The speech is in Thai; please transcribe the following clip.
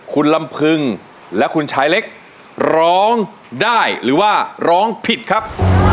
คุณลำพึงและคุณชายเล็กร้องได้หรือว่าร้องผิดครับ